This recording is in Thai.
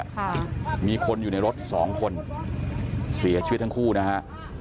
ค่ะมีคนอยู่ในรถสองคนเสียชีวิตทั้งคู่นะฮะ